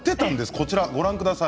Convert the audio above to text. こちらをご覧ください。